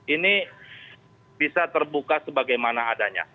ini bisa terbuka sebagaimana adanya